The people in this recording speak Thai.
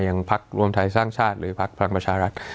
อย่างพักร่วมไทยสร้างชาติหรือพักพลังประชารักษณ์